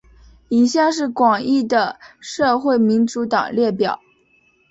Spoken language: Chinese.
以下是广义的社会民主党列表。